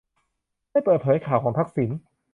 ไม่เปิดเผยข่าวของทักษิณ